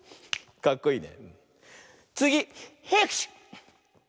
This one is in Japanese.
かっこいいね。